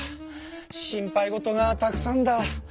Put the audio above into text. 心配事がたくさんだ。